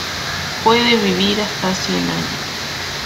Puede vivir hasta cien años.